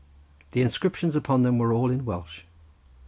The inscriptions upon them were all in Welsh.